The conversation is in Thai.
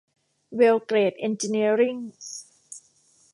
เวล เกรด เอ็นจิเนียริ่ง